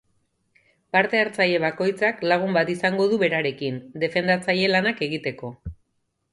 Parte hartzaile bakoitzak lagun bat izango du berarekin, defendatzaile lanak egiteko.